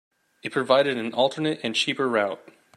It provided an alternative and cheaper route.